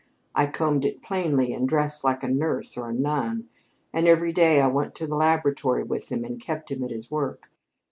I combed it plainly and dressed like a nurse or a nun, and every day I went to the laboratory with him and kept him at his work.